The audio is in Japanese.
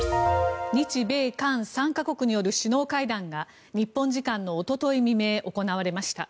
日米韓３か国による首脳会談が日本時間のおととい未明行われました。